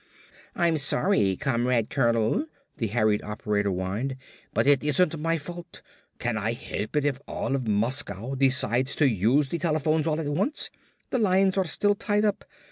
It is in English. "I'm sorry, Comrade Colonel," the harried operator whined, "but it isn't my fault. Can I help it if all of Moscow decides to use the telephones all at once? The lines are still tied up.